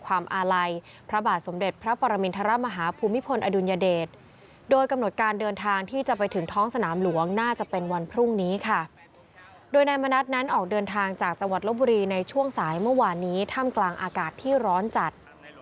โดยนายมณัฐนั้นออกเดินทางจากจังหวัดลบบุรีในช่วงสายเมื่อวานนี้ท่ามกลางอากาศที่ร้อนจัด